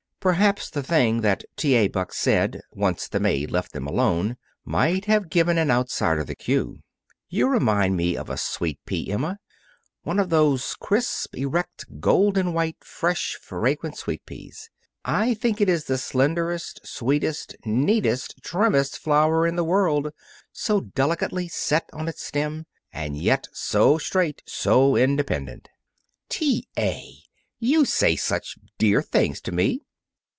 Perhaps the thing that T. A. Buck said, once the maid left them alone, might have given an outsider the cue. "You remind me of a sweetpea, Emma. One of those crisp, erect, golden white, fresh, fragrant sweetpeas. I think it is the slenderest, sweetest, neatest, trimmest flower in the world, so delicately set on its stem, and yet so straight, so independent." "T. A., you say such dear things to me!"